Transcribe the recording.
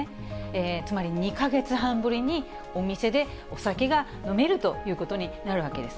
つまり２か月半ぶりにお店でお酒が飲めるということになるわけです。